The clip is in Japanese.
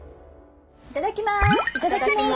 いただきます。